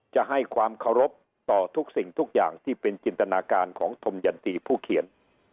จะให้ความเคารพต่อทุกสิ่งทุกอย่างที่เป็นจินตนาการของธมยันตีผู้เขียน